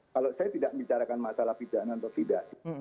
kalau saya tidak bicarakan masalah pidana atau tidak